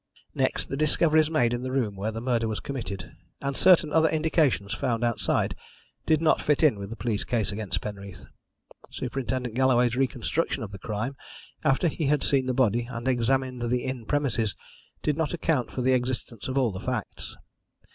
"Next, the discoveries made in the room where the murder was committed, and certain other indications found outside, did not fit in with the police case against Penreath. Superintendent Galloway's reconstruction of the crime, after he had seen the body and examined the inn premises, did not account for the existence of all the facts.